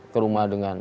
ke rumah dengan